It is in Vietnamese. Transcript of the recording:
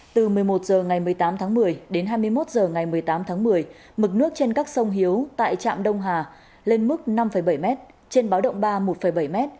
từ một mươi một h ngày một mươi tám tháng một mươi đến hai mươi một h ngày một mươi tám tháng một mươi mực nước trên các sông hiếu tại trạm đông hà lên mức năm bảy m trên báo động ba một bảy m